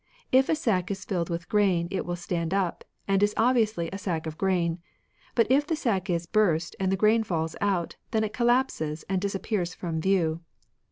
If a sack is filled with grain, it will stand up, and is obviously a sack of grain ; but if the sack is burst and the grain falls out, then it collapses and dis appears from view.